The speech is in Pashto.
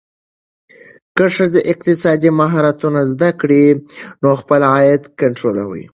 که ښځه اقتصادي مهارتونه زده کړي، نو خپل عاید کنټرولوي.